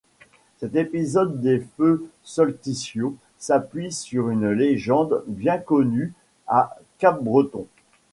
Cet épisode des feux solsticiaux s'appuie sur une légende bien connue à Capbreton.